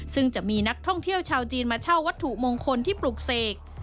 ซึ่งจะมีนักท่องเที่ยวชาวจีนมาเช่าวัตถุมงคลที่ปลูกเสก